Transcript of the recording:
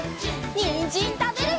にんじんたべるよ！